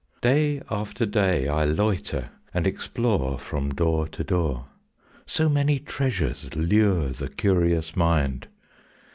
Day after day I loiter and explore From door to door; So many treasures lure The curious mind.